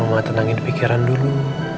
mama tenangin pikiran dulu